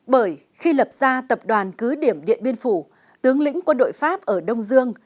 bởi khi lập ra tập đoàn cứ điểm điện biên phủ tướng lĩnh quân đội pháp ở đông dương